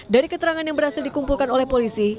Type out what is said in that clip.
dari keterangan yang berhasil dikumpulkan oleh polisi